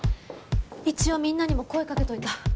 一応みんなにも声かけておいた。